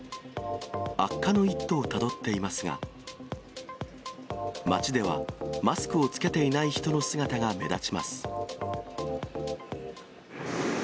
悪化の一途をたどっていますが、街では、マスクを着けていない人の姿が目立ちます。